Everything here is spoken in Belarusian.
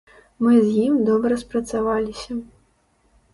Мы з ім добра спрацаваліся.